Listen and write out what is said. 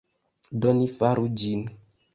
Do, ni faru ĝin